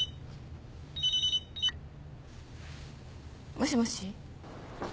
もしもし？